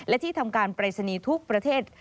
และที่ทำไปปริศนีทุกประเทศ